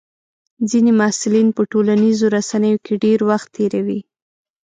ځینې محصلین په ټولنیزو رسنیو کې ډېر وخت تېروي.